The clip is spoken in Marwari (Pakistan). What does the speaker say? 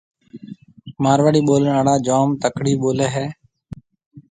مارواڙِي ٻولڻ آݪا جوم تڪڙِي ٻوليَ هيَ۔